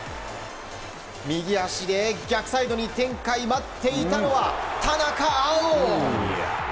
右足で逆サイドに展開待っていたのは田中碧。